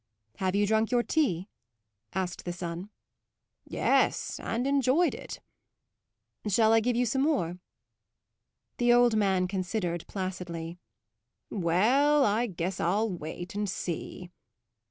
"Have you drunk your tea?" asked the son. "Yes, and enjoyed it." "Shall I give you some more?" The old man considered, placidly. "Well, I guess I'll wait and see."